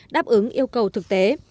đáp ứng yêu cầu thực tế